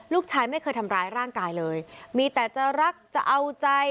ลูกชายไม่เคยทำร้ายร่างกายเลยมีแต่จะรักจะเอาใจ